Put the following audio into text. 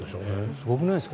すごくないですか？